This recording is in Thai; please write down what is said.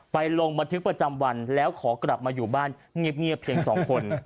ลงบันทึกประจำวันแล้วขอกลับมาอยู่บ้านเงียบเพียง๒คน